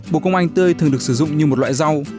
bộ công anh tươi thường được sử dụng như một loại rau